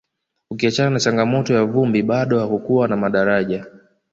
ukiachana na changamoto ya vumbi bado hakukuwa na madaraja